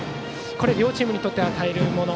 これ、両チームにとって与えるもの